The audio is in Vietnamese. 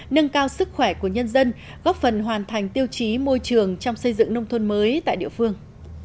nâng cao sức khỏe của nhân dân góp phần hoàn thành tiêu chí môi trường trong xây dựng nông thôn mới tại địa phương